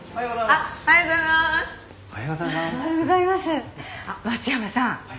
あっ松山さん